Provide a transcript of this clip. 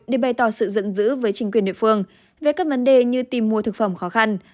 để bày tỏ sự giữ với chính quyền địa phương về các vấn đề như tìm mua thực phẩm khó khăn